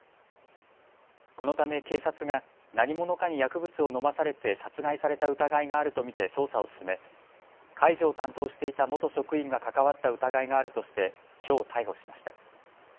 このため警察が何者かに薬物を飲まされて殺害された疑いがあると見て捜査を進め介助を担当していた元職員が関わった疑いがあるとしてきょう逮捕しました。